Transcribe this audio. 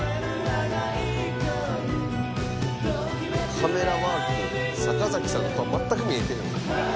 「カメラワーク」「坂崎さんの顔全く見えてへん」